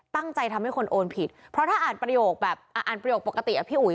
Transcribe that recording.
ตั้งใจทำให้คนโอนผิดเพราะถ้าอ่านประโยคแบบอ่านประโยคปกติอ่ะพี่อุ๋